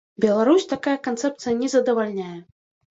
Беларусь такая канцэпцыя не задавальняе.